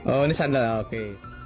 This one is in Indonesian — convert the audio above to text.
oh ini sandal oke